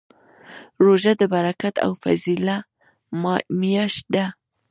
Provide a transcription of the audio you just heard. روژه د برکت او فضیله میاشت ده